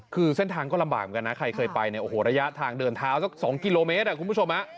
คือเส้นทางก็ลำบากเหมือนกันนะใครเคยไปเนี่ยโอ้โหระยะทางเดินเท้าสัก๒กิโลเมตรคุณผู้ชม